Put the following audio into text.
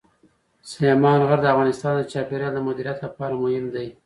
سلیمان غر د افغانستان د چاپیریال د مدیریت لپاره مهم دي.